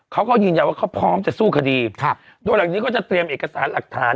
เขาก็ยืนยันว่าเขาพร้อมจะสู้คดีครับโดยหลังจากนี้ก็จะเตรียมเอกสารหลักฐาน